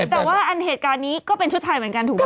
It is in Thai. แต่ว่าอันเหตุการณ์นี้ก็เป็นชุดไทยเหมือนกันถูกไหม